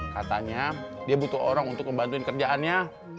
katanya dia butuh orang untuk membantuin kerjaannya